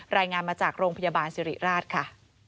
รายงานมาจากโรงพยาบาลสิริราชค่ะ